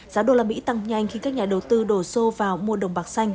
giá usd tăng nhanh khi các nhà đầu tư đổ xô vào mua đồng bạc xanh